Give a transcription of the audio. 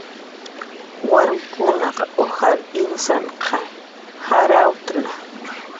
Warmkunaq ujar imsanq jarawuktna